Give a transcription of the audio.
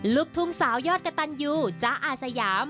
ลูกทุ่งสาวยอดกระตันยูจ๊ะอาสยาม